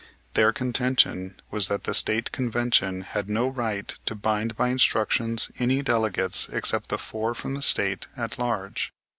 Their contention was that the State Convention had no right to bind by instructions any delegates except the four from the State at large.